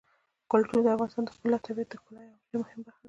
کلتور د افغانستان د ښکلي طبیعت د ښکلا یوه ډېره مهمه برخه ده.